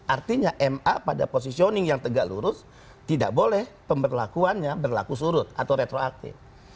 artinya ma pada positioning yang tegak lurus tidak boleh pemberlakuannya berlaku surut atau retroaktif